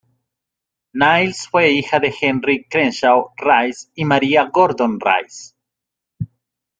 Niles fue hija de Henry Crenshaw Rice y Maria Gordon Rice.